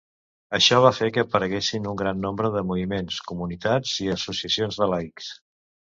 Això va fer que apareguessin un gran nombre de moviments, comunitats i associacions de laics.